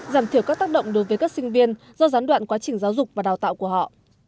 giảm thiểu các tác động đối với các sinh viên do gián đoạn quá trình giáo dục và đào tạo của họ